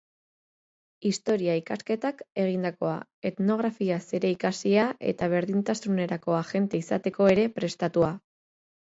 Historia ikasketak egindakoa, etnografiaz ere ikasia eta berdintasunerako agente izateko ere prestatua.